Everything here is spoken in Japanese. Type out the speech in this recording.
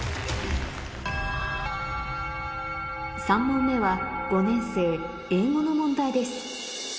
３問目は５年生英語の問題です